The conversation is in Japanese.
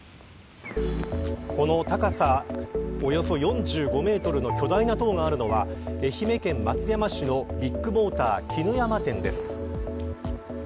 この高さおよそ４５メートルの巨大な塔があるのは愛媛県松山市のビッグモーター衣山店です。